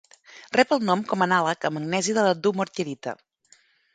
Rep el nom com anàleg amb magnesi de la dumortierita.